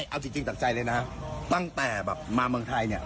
เอาจริงจากใจเลยนะตั้งแต่แบบมาเมืองไทยเนี่ย